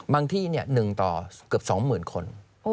บางที่เนี่ย๑ต่อเกือบ๒หมื่นคน